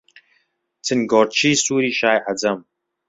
چنگۆڕکی سووری شای عەجەم...